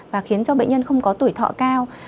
và khiến cho bệnh nhân không có tuổi thọ cao